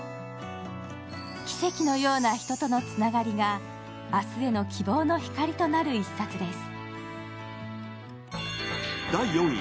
奇跡のような人とのつながりが明日への希望の光となる一冊です。